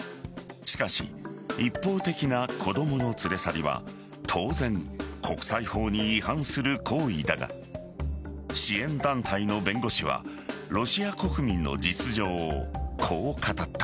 しかし一方的な子供の連れ去りは当然、国際法に違反する行為だが支援団体の弁護士はロシア国民の実情をこう語った。